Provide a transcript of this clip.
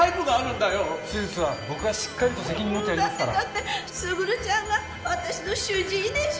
だってだって卓ちゃんが私の主治医でしょ？